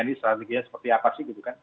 ini strateginya seperti apa sih gitu kan